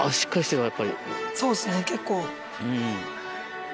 そうですね結構。